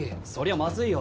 まずいよ。